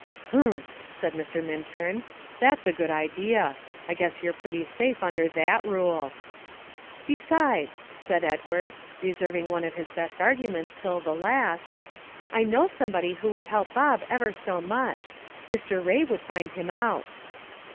"Humph!" said Mr. Minturn; "that's a good idea; I guess you're pretty safe under that rule." "Besides," said Edward, reserving one of his best arguments till the last, "I know somebody who would help Bob ever so much, Mr. Ray would find him out."